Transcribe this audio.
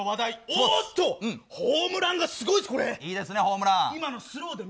おっとホームランがすごいぞこれ。